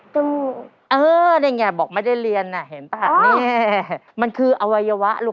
เออนี่ไงบอกไม่ได้เรียนน่ะเห็นป่ะนี่มันคืออวัยวะลูก